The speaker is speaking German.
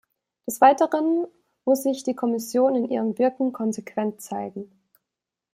Des weiteren muss sich die Kommission in ihrem Wirken konsequent zeigen.